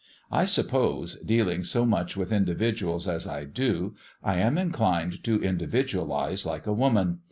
I suppose, dealing so much with individuals as I do, I am inclined to individualise like a woman.